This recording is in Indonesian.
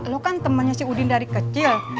lu kan temennya si udin dari kecil